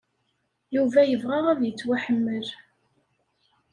Yuba yebɣa ad yettwaḥemmel.